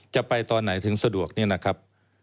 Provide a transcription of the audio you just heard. จะไปตอนไหนถึงสะดวกนี่นะครับ